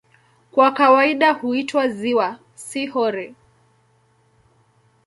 Kwa kawaida huitwa "ziwa", si "hori".